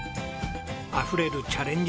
あふれるチャレンジ